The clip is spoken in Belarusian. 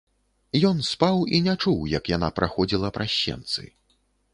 Ён спаў і не чуў, як яна праходзіла праз сенцы.